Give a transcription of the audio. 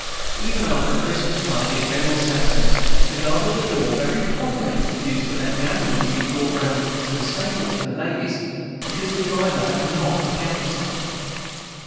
Even after a Christmas party at General Saxton's, the guard at the door very properly refused to let the ambulance be brought round from the stable for the ladies because the driver had not the countersign.